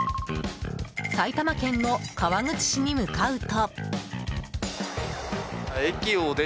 埼玉県の川口市に向かうと。